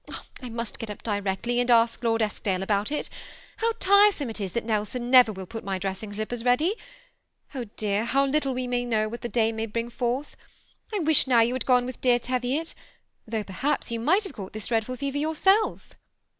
I must get up directly and ask Lord Eskdale about it How tiresome it is that Nelson never will put my dressing slippers ready! Oh dear, how little we know what the day may bring forth ! I wish now you had gone with dear Teviot, though perhaps you might have caught this dreadful fever yourself."